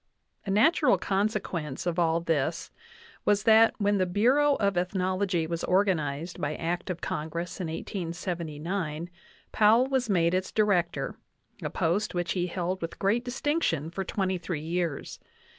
A natural consequence of all this was that, when the Bureau of Ethnology was organized by act of Congress in 1879, Pow ell was made its Director, a post which he held with great dis tinction for twenty three years.